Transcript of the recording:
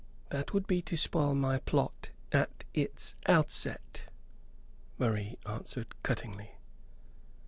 "That would be to spoil my plot at its outset," Marie answered, cuttingly.